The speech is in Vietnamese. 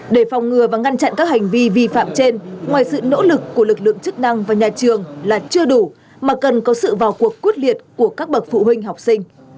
để phòng ngừa và ngăn chặn các hành vi vi phạm trên ngoài sự nỗ lực của lực lượng chức năng và nhà trường là chưa đủ mà cần có sự vào cuộc quyết liệt của các bậc phụ huynh học sinh